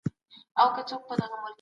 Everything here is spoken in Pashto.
بیا به هیڅکله ګمراه نشئ.